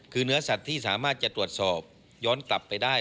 คือเนื้อสัตว์ที่สามารถจะตรวจสอบย้อนกลับไปได้